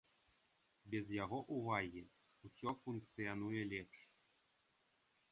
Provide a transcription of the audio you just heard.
Без яго ўвагі ўсё функцыянуе лепш.